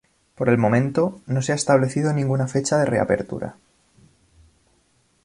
Por el momento, no se ha establecido ninguna fecha de reapertura.